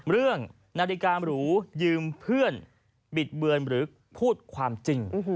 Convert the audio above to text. เรื่องนาฬิการูยืมเพื่อนบิดเบือนหรือพูดความจริง